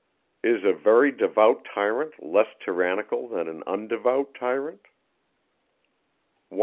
Is a very devout tyrant less tyrannical than an undevout tyrant? 181.